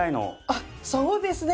あっそうですね！